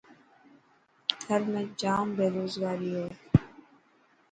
ٿر ۾ ڄام بيروگاري هي.